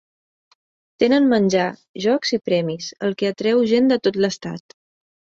Tenen menjar, jocs, i premis, el que atreu gent de tot l'estat.